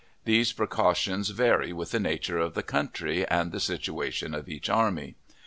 These precautions vary with the nature of the country and the situation of each army.